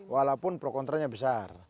walaupun pro kontranya besar